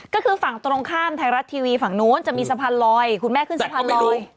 ก็คือฝั่งตรงข้ามไทยรัฐทีวีฝั่งนู้นจะมีสะพานลอยคุณแม่ขึ้นสะพานลอย